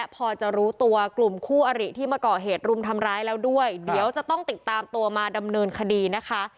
พอจะรู้ตัวกลุ่มคู่อริที่มาก่อเหตุรุมทำร้ายแล้วด้วยเดี๋ยวจะต้องติดตามตัวมาดำเนินคดีนะคะ